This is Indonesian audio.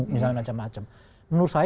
misalnya macam macam menurut saya